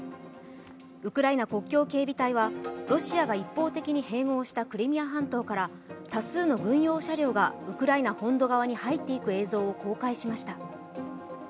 ウクライナ国境警備隊はロシアが一方的に併合したクリミア半島から多数の軍用車両がウクライナ本土側に入っていく映像を公開しました。